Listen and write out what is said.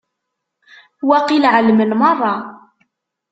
Waqil ɛelmen merra.